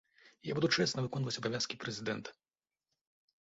Я буду чэсна выконваць абавязкі прэзідэнта.